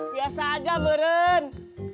biasa aja meren